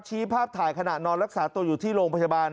ภาพถ่ายขณะนอนรักษาตัวอยู่ที่โรงพยาบาล